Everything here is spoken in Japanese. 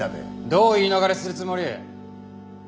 どう言い逃れするつもり？